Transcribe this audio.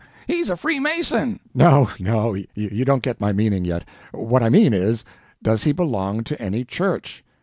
He's a Freemason." "No, no, you don't get my meaning yet. What I mean is, does he belong to any CHURCH?"